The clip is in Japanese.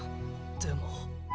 でも。